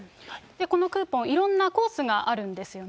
このクーポン、いろんなコースがあるんですよね。